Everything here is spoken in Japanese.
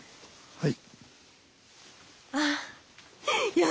はい。